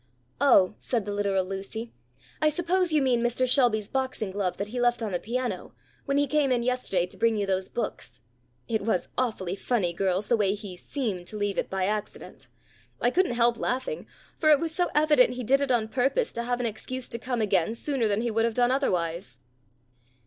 "Oh," said the literal Lucy. "I suppose you mean Mr. Shelby's boxing glove that he left on the piano, when he came in yesterday to bring you those books. It was awfully funny, girls, the way he seemed to leave it by accident. I couldn't help laughing, for it was so evident he did it on purpose, to have an excuse to come again sooner than he would have done otherwise."